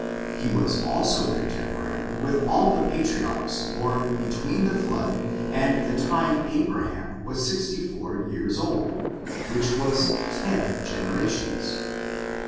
He was also contemporary with all the patriarchs born between the flood and the time Abraham was sixty four years old ; which was ten generations.